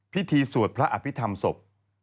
พิธีสวดพระอภิษฐรรมศพ